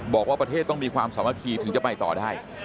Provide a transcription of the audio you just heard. บอกว่าประเทศต้องมีความสามัคคีถึงจะไปต่อได้